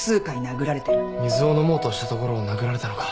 水を飲もうとしたところを殴られたのか。